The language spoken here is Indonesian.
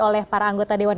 oleh para anggota dewan